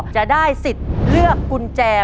จะได้สิทธิ์เลือกกุญแจ